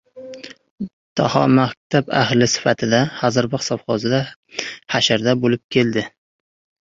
Daho maktab ahli safida "Hazorbog‘" sovxozida hasharda bo‘lib keldi.